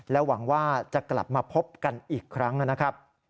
หวังว่าจะกลับมาพบกันอีกครั้งนะครับ